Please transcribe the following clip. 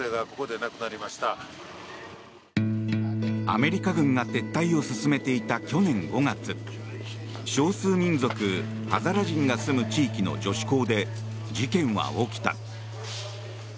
アメリカ軍が撤退を進めていた去年５月少数民族ハザラ人が住む地域の女子高で事件は起きた。